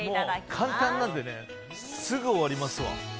もう簡単なんで、すぐ終わりますわ。